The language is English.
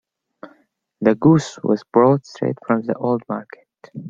The goose was brought straight from the old market.